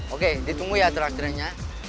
oke ditunggu ya terakhirnya